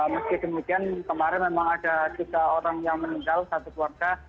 meski demikian kemarin memang ada tiga orang yang meninggal satu keluarga